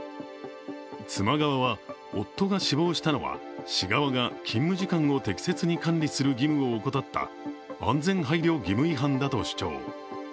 妻側は、夫が死亡したのは市側が勤務時間を適切に管理する義務を怠った安全配慮義務違反だと主張。